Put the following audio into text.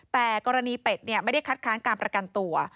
แต่กรณีเป็ดไม่ได้คัดค้านการประกันตัว